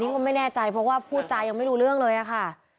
ก็ไม่แน่ใจเพราะว่าพูดจายังไม่รู้เรื่องเลยอะค่ะ